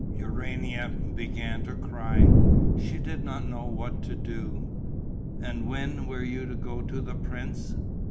Urania began to cry: she did not know what to do. "And when were you to go to the prince?"